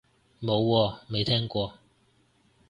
冇喎，未聽過